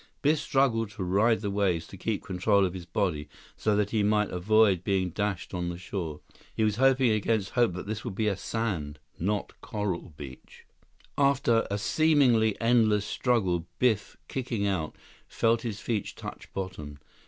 Biff struggled to ride the waves, to keep control of his body so that he might avoid being dashed on the shore. He was hoping against hope that this would be a sand, not coral beach. 116 After a seemingly endless struggle, Biff, kicking out, felt his feet touch bottom.